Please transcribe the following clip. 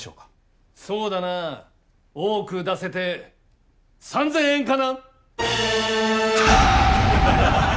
そうだなあ多く出せて３，０００円かな。